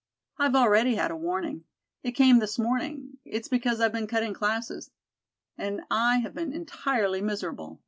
I've already had a warning. It came this morning. It's because I've been cutting classes. And I have been entirely miserable.